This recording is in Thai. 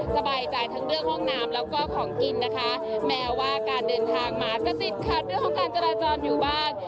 สบายใจทั้งเรื่องห้องน้ำแล้วก็ของกินนะคะแม้ว่าการเดินทางมาจะติดขัดเรื่องของการจราจรอยู่บ้าง